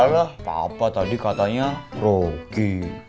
alah papa tadi katanya rogi